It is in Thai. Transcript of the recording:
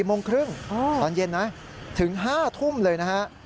โมงครึ่งตอนเย็นนะถึง๕ทุ่มเลยนะฮะ